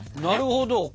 なるほど。